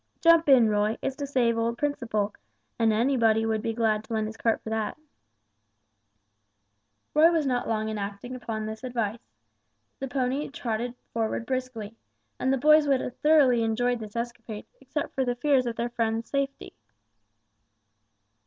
"Jump in, Roy. It's to save old Principle, and anybody would be glad to lend his cart for that." Roy was not long in acting upon this advice. The pony trotted forward briskly, and the boys would have thoroughly enjoyed this escapade, except for the fears of their friend's safety.